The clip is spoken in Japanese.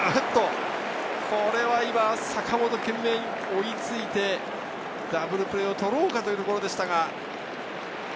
これは坂本、懸命に追いついてダブルプレーを取ろうかというところでした。